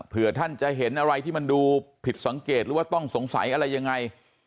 เพื่อท่านจะเห็นอะไรที่มันดูผิดสังเกตหรือว่าต้องสงสัยอะไรยังไง